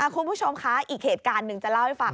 คุณผู้ชมคะอีกเหตุการณ์หนึ่งจะเล่าให้ฟัง